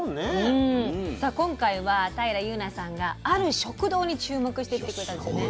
さあ今回は平祐奈さんがある食堂に注目してきてくれたんですよね。